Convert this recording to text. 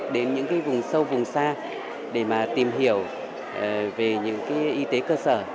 đến những cái vùng sâu vùng xa để mà tìm hiểu về những cái y tế cơ sở